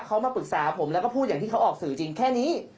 เขามาปรึกษาผมแล้วก็พูดอย่างที่เขาออกสื่อจริงแค่นี้